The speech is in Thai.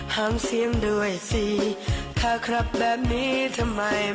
ห้ามเสียงด้วยสิถ้าครับแบบนี้ทำไมไม่รู้